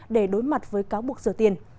để đối mặt với cáo buộc rửa tiền